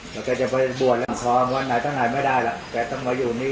แล้วแกจะไปบวชละครวันไหนตั้งไหนไม่ได้แล้วแกต้องมาอยู่นี่